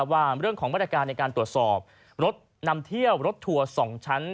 ว่าเรื่องของมาตรการในการตรวจสอบรถนำเที่ยวรถทัวร์๒ชั้น